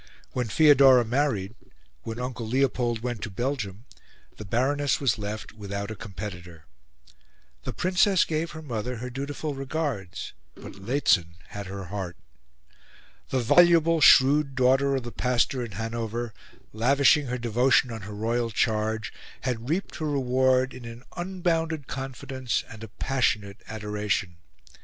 When Feodora married, when Uncle Leopold went to Belgium, the Baroness was left without a competitor. The Princess gave her mother her dutiful regards; but Lehzen had her heart. The voluble, shrewd daughter of the pastor in Hanover, lavishing her devotion on her royal charge, had reaped her reward in an unbounded confidence and a passionate adoration.